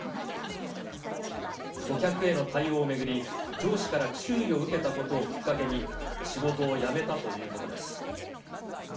顧客への対応を巡り、上司から注意を受けたことをきっかけに仕事を辞めたということです。